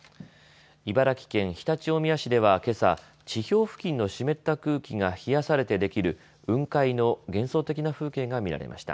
茨城県常陸大宮市では、けさ地表付近の湿った空気が冷やされてできる雲海の幻想的な風景が見られました。